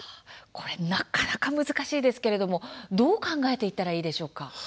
これ、なかなか難しいですけれどもどう考えていったらいいでしょうか。